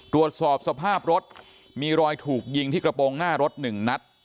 ตรวจสอบสภาพรถมีรอยถูกยิงที่กระโปรงหน้ารถ๑นัด